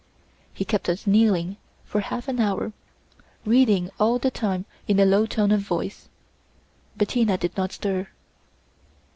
He kept us kneeling for half an hour, reading all the time in a low tone of voice. Bettina did not stir.